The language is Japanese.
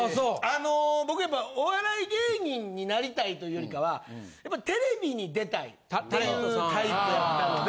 あの僕やっぱお笑い芸人になりたいというよりかはテレビに出たいっていうタイプやったので。